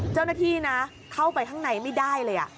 เจ้าหน้าที่นะเข้าไปข้างในไม่ได้เลย